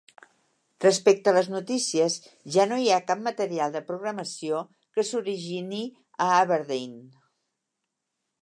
Respecte a les noticies, ja no hi ha cap material de programació que s'origini a Aberdeen.